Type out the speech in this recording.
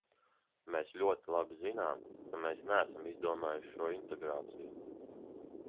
Mēs ļoti labi zinām, ka mēs neesam izdomājuši šo integrāciju.